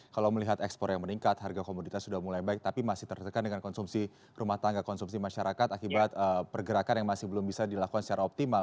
kalau melihat ekspor yang meningkat harga komoditas sudah mulai baik tapi masih tertekan dengan konsumsi rumah tangga konsumsi masyarakat akibat pergerakan yang masih belum bisa dilakukan secara optimal